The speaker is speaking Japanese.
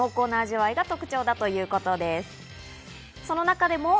濃厚な味わいが特徴だということです。